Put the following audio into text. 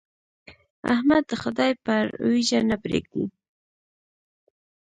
احمد د خدای پر اوېجه نه پرېږدي.